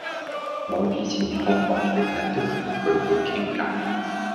我以前放學成日都同佢哋傾偈